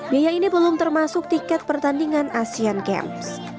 biaya ini belum termasuk tiket pertandingan asian games